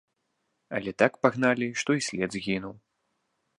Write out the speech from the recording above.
Але так пагналі, што і след згінуў.